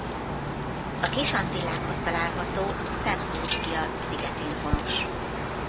A Kis-Antillákhoz található Saint Lucia szigetén honos.